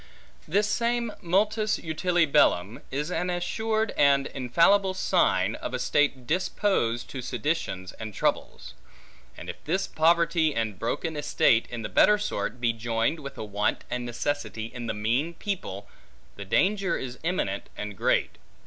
This same multis utile bellum, is an assured and infallible sign, of a state disposed to seditions and troubles. And if this poverty and broken estate in the better sort, be joined with a want and necessity in the mean people, the danger is imminent and great.